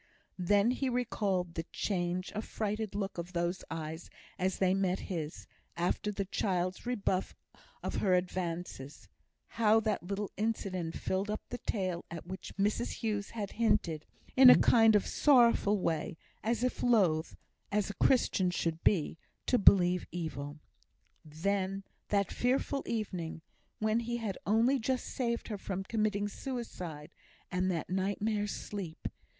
Then he recalled the changed, affrighted look of those eyes as they met his, after the child's rebuff of her advances; how that little incident filled up the tale at which Mrs Hughes had hinted, in a kind of sorrowful way, as if loath (as a Christian should be) to believe evil. Then that fearful evening, when he had only just saved her from committing suicide, and that nightmare sleep!